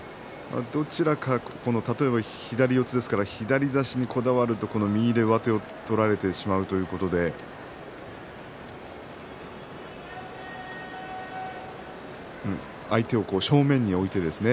どちらか、例えば左四つですから左差しにこだわると右で上手を取られてしまうということで相手を正面に置いてですね